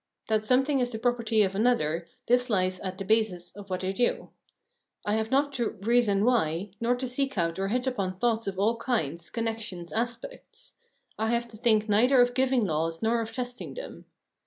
That something is the property of another, this Ues at the basis of what I do. I have not to " reason why," nor to seek out or hit upon thoughts of all kinds, con nections, aspects ; I have to think neither of giving laws nor of testing them.